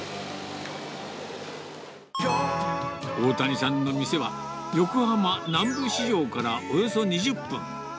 大谷さんの店は、横浜南部市場からおよそ２０分。